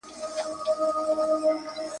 او حتی د استقلال د ګټونکي ..